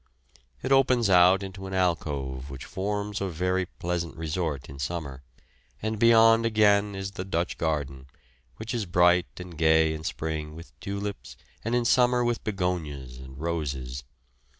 It opens out into an alcove which forms a very pleasant resort in summer; and beyond again is the Dutch garden, which is bright and gay in spring with tulips and in summer with begonias and roses.